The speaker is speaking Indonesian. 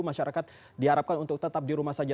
masyarakat diharapkan untuk tetap di rumah saja